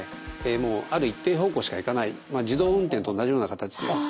もうある一定方向しかいかない自動運転と同じような形でですね。